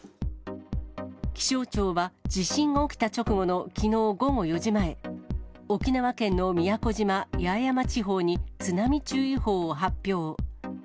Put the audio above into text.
気象庁は、地震が起きた直後のきのう午後４時前、沖縄県の宮古島・八重山地方に津波注意報を発表。